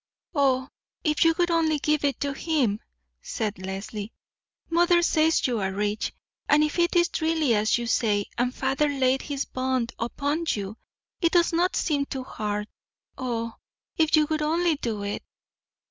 "Oh, if you would only give it to him!" said Leslie. "Mother says you are rich, and if it is really as you say, and father laid his bond upon you, it does not seem too hard. Oh, if you would only do it!"